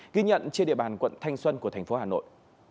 ghi nhận trên địa bàn quận thanh xuân của thành phố hà nội